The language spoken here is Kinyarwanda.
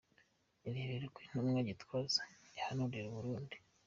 Irebere Uko Intumwa Gitwaza ihanurira u Burundi .